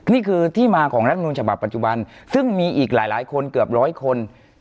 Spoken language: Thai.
นี่คือที่มาของรัฐมนุนฉบับปัจจุบันซึ่งมีอีกหลายคนเกือบร้อยคน